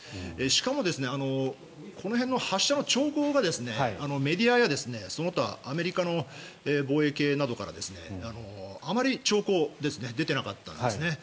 しかも、この辺の発射の兆候がメディアやその他アメリカの防衛系などからあまり兆候が出ていなかったんですね。